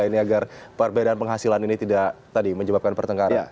supaya perbedaan penghasilan ini tidak menyebabkan pertengkaran